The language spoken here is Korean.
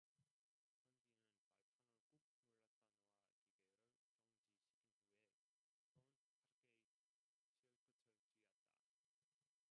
선비는 발판을 꾹 눌렀다 놓아 기계를 정지시킨 후에 손 빠르게 실끝을 쥐었다.